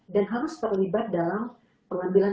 dan harus terlibat dalam pengambilan